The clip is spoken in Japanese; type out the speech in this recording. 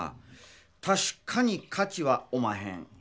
たしかに価値はおまへん。